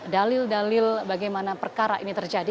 dalil dalil bagaimana perkara ini terjadi